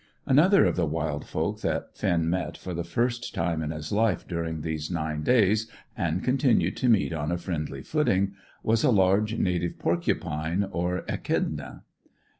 Another of the wild folk that Finn met for the first time in his life during these nine days, and continued to meet on a friendly footing, was a large native porcupine, or echidna.